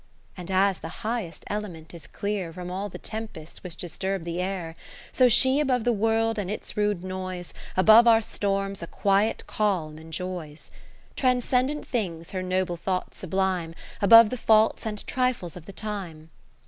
50 And as the highest element is clear From all the tempests which disturb the air : So she above the World and its rude noise. Above our storms a quiet calm enjoys. Transcendent things her noble thoughts sublime. Above the faults and trifles of the time.